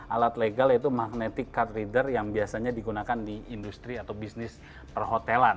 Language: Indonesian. alat legal yaitu magnetic card reader yang biasanya digunakan di industri atau bisnis perhotelan